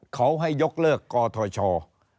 เขาให้ยกเลิกก่อทอยชาติ